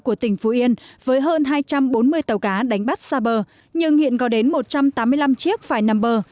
của tỉnh phú yên với hơn hai trăm bốn mươi tàu cá đánh bắt xa bờ nhưng hiện có đến một trăm tám mươi năm chiếc phải nằm bờ